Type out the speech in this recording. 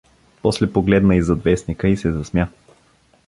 После погледна иззад вестника и се засмя.